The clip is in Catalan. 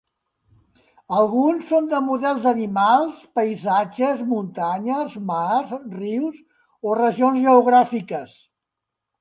Alguns són de models d'animals, paisatges, muntanyes, mars, rius, o regions geogràfiques.